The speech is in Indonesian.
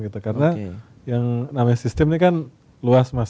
karena yang namanya sistem ini kan luas mas